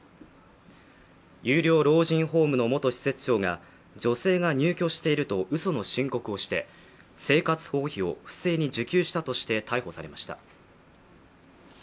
有料老人ホームの元施設長が女性が入居しているとうその申告をして生活保護費を不正に受給したとして逮捕されました。